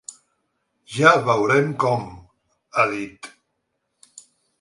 Ja veurem com, ha dit.